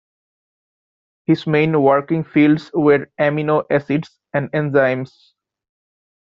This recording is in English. His main working fields were amino acids and enzymes.